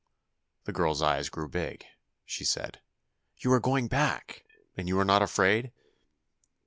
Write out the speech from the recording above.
The girl's eyes grew big. She said: "You are going back! And you are not afraid?"